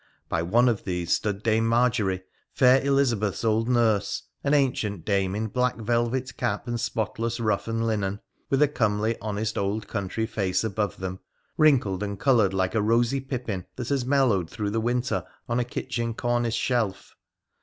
By one of these stood Dame Marjorie, fair Elizabeth's old nurse, an ancient dame in black velvet cap and spotless ruff and linen, with a comely honest old country face above them, wrinkled and coloured like a rosy pippin that has mellowed through the winter on a kitchen cornice shelf.